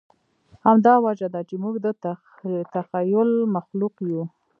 همدا وجه ده، چې موږ د تخیل مخلوق یو.